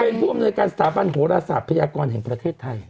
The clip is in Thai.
เป็นผู้อำนวยการสถาบันโหรศาสตร์พยากรแห่งประเทศไทย